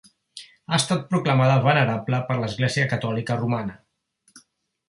Ha estat proclamada venerable per l'Església Catòlica Romana.